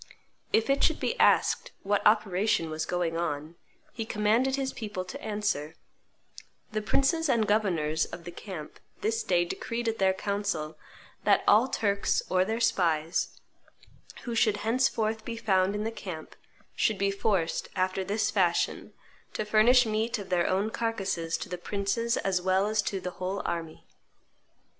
If it should be asked what operation was going on, he commanded his people to answer, 'The princes and governors of the camp this day decreed at their council that all Turks or their spies who should henceforth be found in the camp should be forced, after this fashion, to furnish meat of their own carcasses to the princes as well as to the whole army!